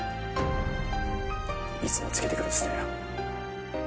いつもつけてくれてたよ。